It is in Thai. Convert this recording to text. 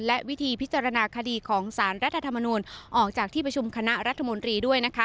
และวิธีพิจารณาคดีของสารรัฐธรรมนูลออกจากที่ประชุมคณะรัฐมนตรีด้วยนะคะ